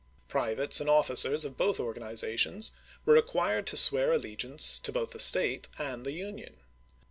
Privates and officers of both organizations were required to swear alle giance to both the State and the Union.